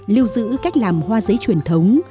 lưu giữ cách làm hoa giấy truyền thống